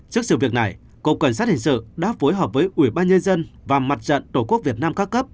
trước sự việc này cục cảnh sát hình sự đã phối hợp với ủy ban nhân dân và mặt trận tổ quốc việt nam ca cấp